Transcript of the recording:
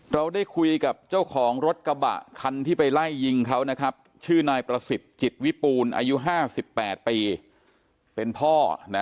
เราได้คุยกับเจ้าของรถกระบะคันที่ไปไล่ยิงเขานะครับชื่อนายประสิทธิ์จิตวิปูนอายุ๕๘ปีเป็นพ่อนะ